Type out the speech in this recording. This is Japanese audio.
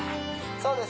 そうです